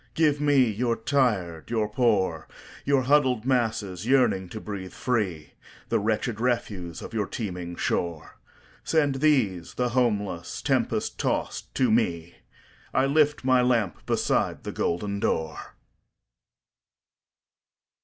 "Give me your tired, your poor, Your huddled masses yearning to breathe free, The wretched refuse of your teeming shore. Send these, the homeless, tempest tost to me,I lift my lamp beside the golden door!"